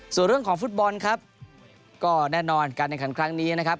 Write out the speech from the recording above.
ส่วนเรื่องของฟุตบอลครับก็แน่นอนการแข่งขันครั้งนี้นะครับ